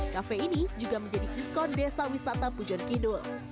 kafe ini juga menjadi ikon desa wisata pujon kidul